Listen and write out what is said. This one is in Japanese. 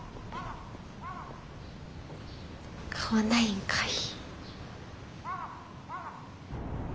買わないんかい！